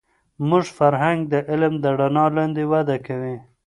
زموږ فرهنگ د علم د رڼا لاندې وده کوي.